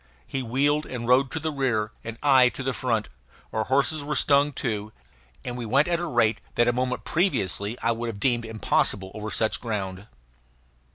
He wheeled and rode to the rear and I to the front; our horses were stung too; and we went at a rate that a moment previously I would have deemed impossible over such ground.